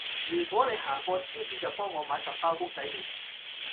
如果你行過超市就幫我買十包公仔麵